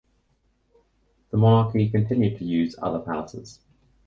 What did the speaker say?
The monarchy continued to use other palaces.